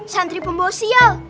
santri pembawa sial